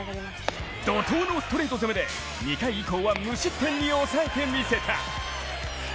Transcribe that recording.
怒とうのストレート攻めで２回以降は無失点に抑えてみせた。